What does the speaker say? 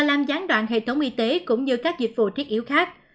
hà lan gián đoạn hệ thống y tế cũng như các dịch vụ thiết yếu khác